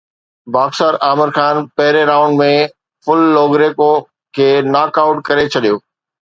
boxer Aamir Khan پهرين round ۾ Phil Lo Greco کي knock out ڪري ڇڏيو